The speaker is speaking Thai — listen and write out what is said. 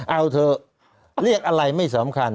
เอาเถอะเรียกอะไรไม่สำคัญ